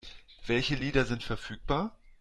Welche Lieder sind verfügbar?